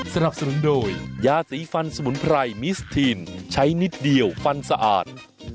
สนับสนุนโดยยาสีฟันสมุนไพรมิสทีนใช้นิดเดียวฟันสะอาด